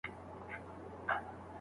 که ته د املا کلمې په لوړ غږ تکرار کړې.